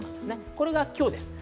これが今日です。